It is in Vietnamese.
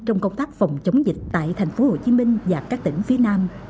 trong công tác phòng chống dịch tại thành phố hồ chí minh và các tỉnh phía nam